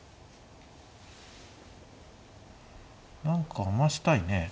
何か余したいね。